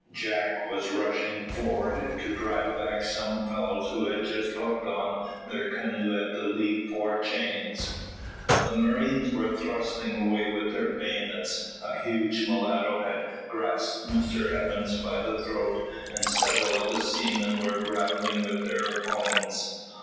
Jack was rushing forward to drive back some fellows who had just hooked on their canoe at the lee fore chains. The marines were thrusting away with their bayonets. A huge mulatto had grasped Mr Evans by the throat, and several of the seamen were grappling with their opponents.